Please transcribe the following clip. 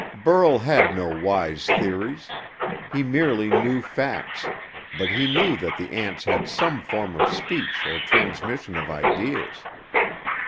Burl had no wise theories. He merely knew facts, but he knew that the ants had some form of speech or transmission of ideas.